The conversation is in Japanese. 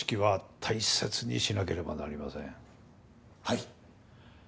はい。